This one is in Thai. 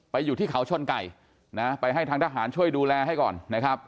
อยู่ที่เขาชนไก่นะไปให้ทางทหารช่วยดูแลให้ก่อนนะครับ